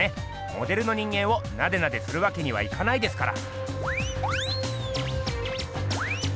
モデルの人間をナデナデするわけにはいかないですから。